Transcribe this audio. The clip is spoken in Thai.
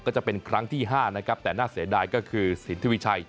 ก็จะเป็นครั้งที่๕นะครับแต่น่าเสียดายก็คือสินทวิชัย